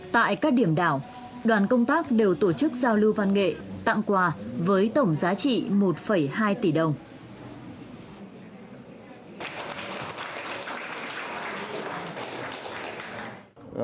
tại các điểm đảo đoàn công tác đều tổ chức giao lưu văn nghệ tặng quà với tổng giá trị một hai tỷ đồng